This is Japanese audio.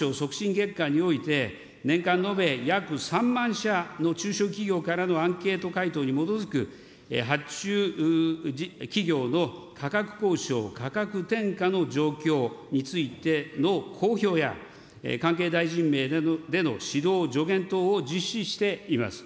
月間において、年間延べ約３万社の中小企業からのアンケート回答に基づく発注企業の価格交渉、価格転嫁の状況についての公表や、関係大臣名での指導、助言等を実施しています。